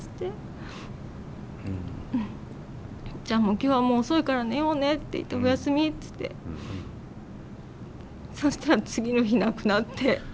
「じゃあ今日はもう遅いから寝ようね」って言って「おやすみ」つってそしたら次の日亡くなって。